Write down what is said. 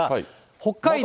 北海道。